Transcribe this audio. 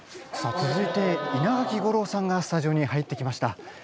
さっ続いて稲垣吾郎さんがスタジオに入ってきました。